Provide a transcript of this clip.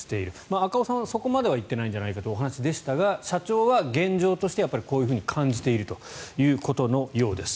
赤尾さん、そこまではいってないんじゃないかという話でしたが、社長はこう感じているということのようです。